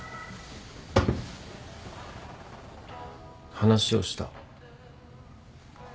話をした。